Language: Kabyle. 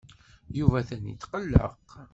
Yuba atan yetqelleq.